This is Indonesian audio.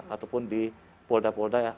ataupun di polda polda